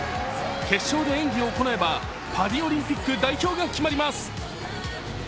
決勝で演技を行えば、パリオリンピック代表が決まります。